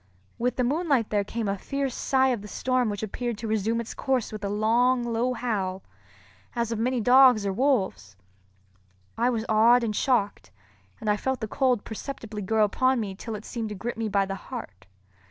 With the moonlight there came a fierce sigh of the storm which appeared to resume its course with a long, low howl, as of many dogs or wolves. I was awed and shocked, and I felt the cold perceptibly grow upon me till it seemed to grip me by the heart.